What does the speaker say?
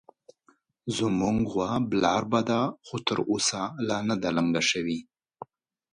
زموږ غوا برالبه ده، خو تر اوسه لا نه ده لنګه شوې